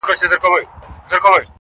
بل موږك سو د جرگې منځته ور وړاندي.!